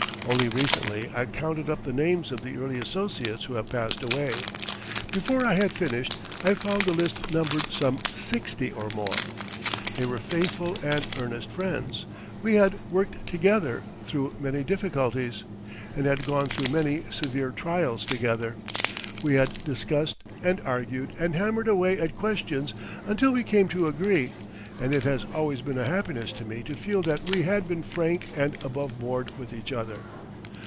Only recently I counted up the names of the early associates who have passed away. Before I had finished, I found the list numbered some sixty or more. They were faithful and earnest friends; we had worked together through many difficulties, and had gone through many severe trials together. We had discussed and argued and hammered away at questions until we came to agree, and it has always been a happiness to me to feel that we had been frank and aboveboard with each other.